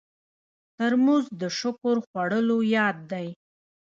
ترموز د شکر خوړلو یاد دی.